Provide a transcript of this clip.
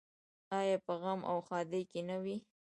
آیا په غم او ښادۍ کې نه وي؟